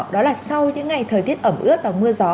đó là sau những ngày thời tiết ẩm ướt và mưa gió